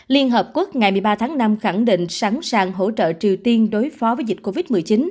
liên hợp quốc ngày một mươi ba tháng năm khẳng định sẵn sàng hỗ trợ triều tiên đối phó với dịch covid một mươi chín